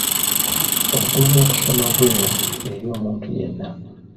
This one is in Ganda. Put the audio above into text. Obukulu bw’okusoma bwino eri omuntu yenna.